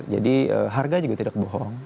jadi harga juga tidak bohong